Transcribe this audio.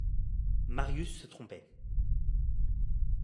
Marius se trompait.